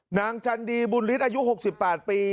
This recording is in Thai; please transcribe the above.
จันดีบุญฤทธิ์อายุ๖๘ปี